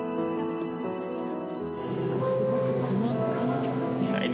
すごく細かい。